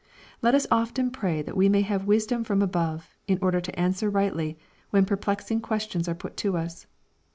Let us often pray that we may have wisdom from above, in order to answer rightly, when perplexing ques tions are put to us.